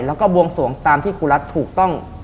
แล้วก็บวงสวงตามที่ครูรัฐถูกต้อง